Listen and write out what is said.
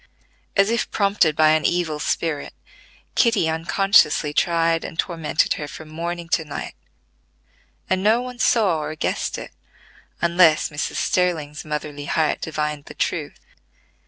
As if prompted by an evil spirit, Kitty unconsciously tried and tormented her from morning to night, and no one saw or guessed it unless Mrs. Sterling's motherly heart divined the truth.